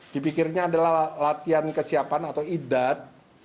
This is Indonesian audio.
dipikirnya adalah latihan kesiapan atau idat